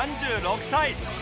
３６歳